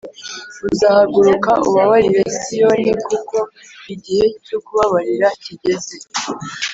uzahaguruka ubabarire siyoni kuko igihe cyo kubabarira kigeze